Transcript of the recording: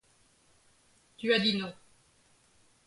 Tu as dit non.